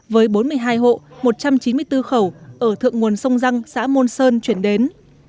với bốn mươi hai hộ một trăm chín mươi bốn khẩu ở thượng nguồn sông răng xã môn sơn chuyển đến